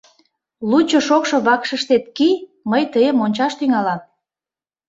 Лучо шокшо вакшышыштет кий, мый тыйым ончаш тӱҥалам.